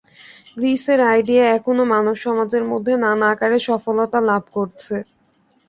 গ্রীসের আইডিয়া এখনো মানবসমাজের মধ্যে নানা আকারে সফলতা লাভ করছে।